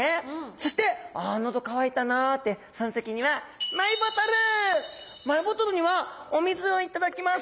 そして「あ喉渇いたな」ってその時にはマイボトルにはお水を頂きます。